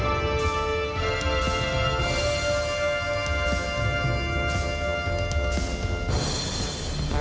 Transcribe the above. สวัสดีครับ